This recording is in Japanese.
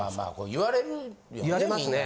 言われますね。